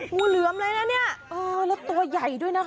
คุณเลือมเลยนะเนี่ย